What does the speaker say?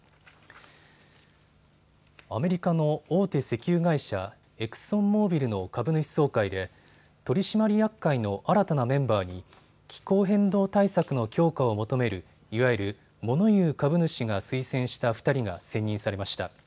アメリカの大手石油会社、エクソンモービルの株主総会で取締役会の新たなメンバーに気候変動対策の強化を求めるいわゆる物言う株主が推薦した２人が選任されました。